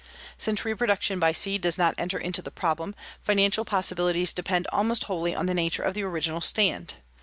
Since reproduction by seed does not enter into the problem, financial possibilities depend almost wholly on the nature of the original stand.